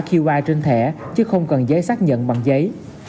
chỉ cần quét mã qi trên thẻ chứ không cần giấy xác nhận bằng giấy